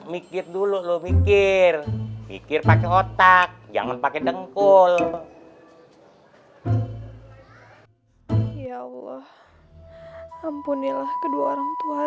mikir dulu lo mikir pikir pakai otak jangan pakai dengkul ya allah ampunilah kedua orang tua